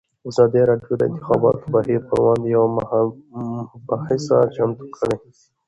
ازادي راډیو د د انتخاباتو بهیر پر وړاندې یوه مباحثه چمتو کړې.